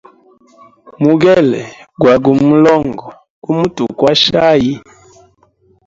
Mugele gwa gu mulongo, gumutukwasha ayi?